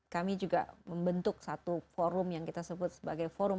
kami juga membentuk satu forum yang kita sebut sebagai forum